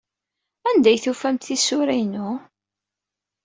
Anda ay tufamt tisura-inu?